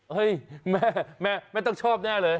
เฮ้ยแม่แม่ต้องชอบแน่เลย